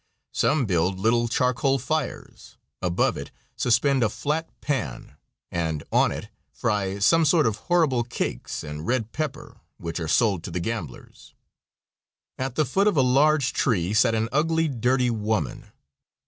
Some build little charcoal fires, above it suspend a flat pan, and on it fry some sort of horrible cakes and red pepper, which are sold to the gamblers. At the foot of a large tree sat an ugly, dirty woman.